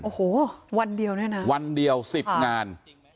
โอ้โหวันเดียวเนี่ยนะวันเดียว๑๐งาน